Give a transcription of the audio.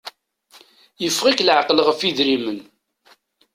Yeffeɣ-ik laɛqel ɣef idrimen.